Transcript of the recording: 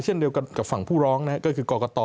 เช่นเดียวกับฝั่งผู้ร้องก็คือกรกฎ